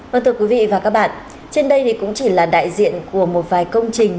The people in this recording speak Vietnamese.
vâng thưa quý vị và các bạn trên đây thì cũng chỉ là đại diện của một vài công trình